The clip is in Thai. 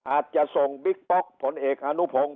อาจจะส่งบิ๊กป๊อกผลเอกอนุพงศ์